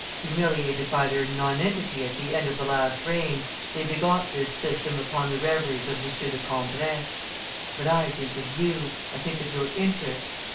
Humiliated by their nonentity at the end of the last reign, they begot this system upon the reveries of M. de Cambrai. But I think of you, I think of your interests.